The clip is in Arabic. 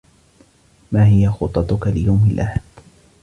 ماهي خططك ليوم الأحد؟